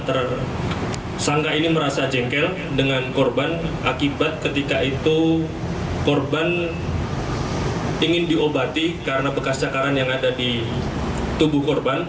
tersangka ini merasa jengkel dengan korban akibat ketika itu korban ingin diobati karena bekas cakaran yang ada di tubuh korban